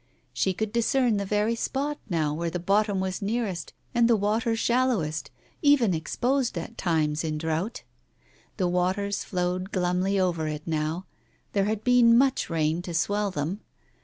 She could discern the very spot now where the bottom was nearest and the water shallowest, even exposed at times in drought. The waters flowed glumly over it now, there had been much rain to swell them.